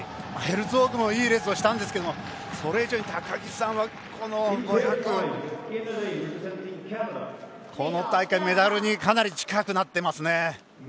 ヘルツォークもいいレースをしたんですけれどもそれ以上に高木さんはこの５００この大会メダルにかなり近くなってますね。